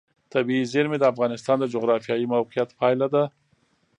طبیعي زیرمې د افغانستان د جغرافیایي موقیعت پایله ده.